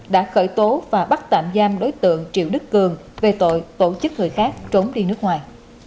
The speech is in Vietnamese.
đã khởi tố và bắt tạm giam đối tượng triệu đức cường về tội tổ chức người khác trốn đi nước ngoài